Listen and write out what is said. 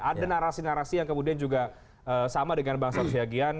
ada narasi narasi yang kemudian juga sama dengan bang saur syagian